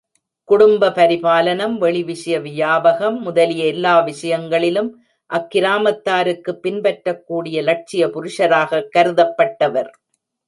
குடும்ப பரிபாலனம், வெளி விஷய வியாபகம் முதலிய எல்லா விஷயங்களிலும் அக்கிராமத்தாருக்கு, பின்பற்றக்கூடிய லட்சிய புருஷராகக் கருதப்பட்டவர்.